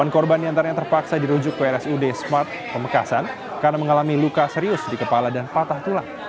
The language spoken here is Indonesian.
delapan korban diantaranya terpaksa dirujuk ke rsud smart pemekasan karena mengalami luka serius di kepala dan patah tulang